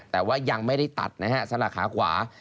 แต่ว่ายังไม่ได้ตัดนะฮะสำหรับขาขวา